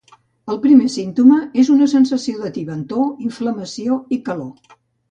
El primer símptoma és una sensació de tibantor, inflamació i calor.